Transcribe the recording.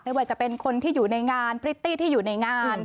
ว่าจะเป็นคนที่อยู่ในงานพริตตี้ที่อยู่ในงาน